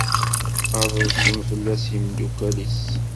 Ad ḍsen fell-as yimeddukal-nnes.